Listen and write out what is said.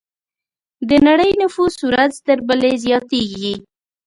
د نړۍ نفوس ورځ تر بلې زیاتېږي.